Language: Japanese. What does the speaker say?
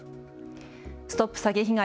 ＳＴＯＰ詐欺被害！